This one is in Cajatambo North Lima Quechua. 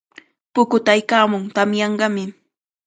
Pukutaykaamun, tamyanqami.